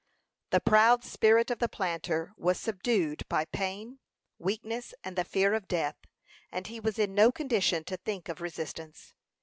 The proud spirit of the planter was subdued by pain, weakness, and the fear of death, and he was in no condition to think of resistance.